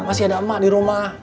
masih ada emak di rumah